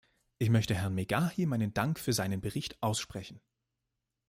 Ich möchte Herrn Megahy meinen Dank für seinen Bericht aussprechen.